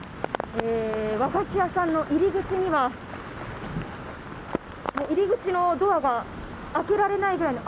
和菓子屋さんの入り口には入り口のドアが開けられないぐらいの。